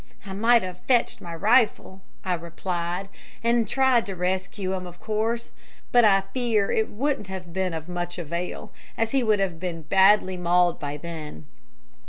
"'I might have fetched my rifle,' I replied, 'and tried to rescue him, of course. But I fear it wouldn't have been of much avail, as he would have been badly mauled by then.'